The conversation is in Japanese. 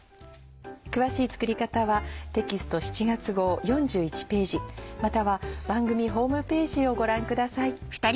詳しい作り方はテキスト７月号４１ページまたは番組ホームページをご覧ください。